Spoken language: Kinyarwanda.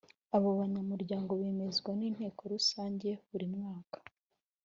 Abo banyamuryango bemezwa n’Inteko Rusange buri mwaka.